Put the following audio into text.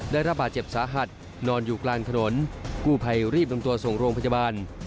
ได้รับบาดเจ็บสาหัสนอนอยู่กลางถนนกู้ภัยรีบนำตัวส่งโรงพยาบาล